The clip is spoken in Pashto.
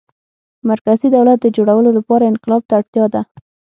مرکزي دولت د جوړولو لپاره انقلاب ته اړتیا ده.